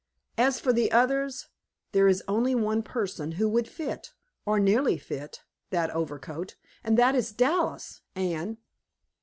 As for the others, there is only one person who would fit, or nearly fit, that overcoat, and that is Dallas, Anne."